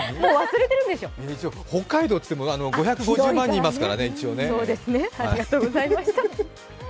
北海道っていっても５５０万人いますからね、一応ね。